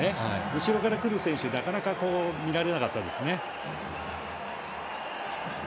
後ろから来る選手をなかなか見られなかったですね。